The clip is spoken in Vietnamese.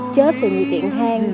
chết vì nhiệt điện thang